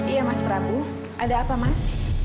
iya mas prabu ada apa mas